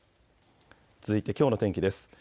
続いてきょうの天気です。